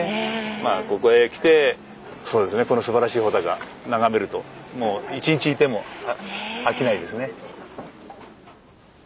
ここへ来てすばらしい穂高眺めるともう一日いても飽きないですね。